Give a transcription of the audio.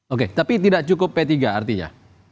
oke tapi tidak cukup p tiga artinya